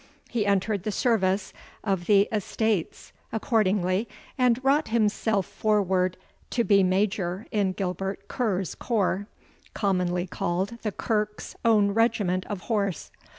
He entered the service of the Estates accordingly, and wrought himself forward to be Major in Gilbert Ker's corps, commonly called the Kirk's Own Regiment of Horse.